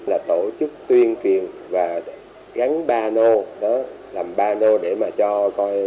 là tổ chức tuyên truyền và gắn ba nô đó làm ba nô để mà cho coi